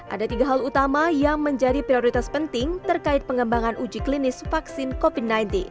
ada tiga hal utama yang menjadi prioritas penting terkait pengembangan uji klinis vaksin covid sembilan belas